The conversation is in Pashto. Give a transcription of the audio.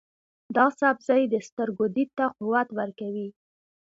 دا سبزی د سترګو دید ته قوت ورکوي.